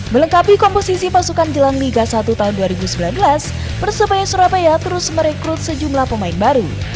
melengkapi komposisi pasukan jelang liga satu tahun dua ribu sembilan belas persebaya surabaya terus merekrut sejumlah pemain baru